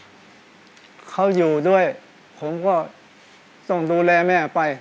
เขาอยู่ด้วยผมก็ต้องดูแลแม่ไป